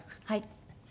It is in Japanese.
はい。